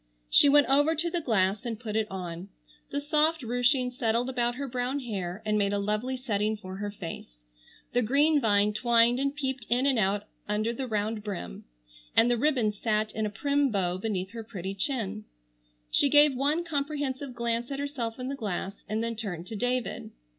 She went over to the glass and put it on. The soft ruching settled about her brown hair, and made a lovely setting for her face. The green vine twined and peeped in and out under the round brim and the ribbon sat in a prim bow beneath her pretty chin. She gave one comprehensive glance at herself in the glass and then turned to David.